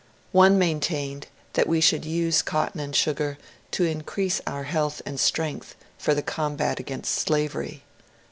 One maintained that we should use cotton and sugar to in crease our health and strength for the combat against slavery.